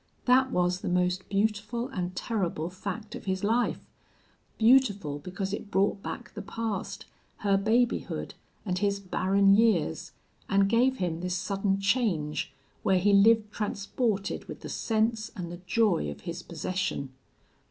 That was the most beautiful and terrible fact of his life beautiful because it brought back the past, her babyhood, and his barren years, and gave him this sudden change, where he lived transported with the sense and the joy of his possession.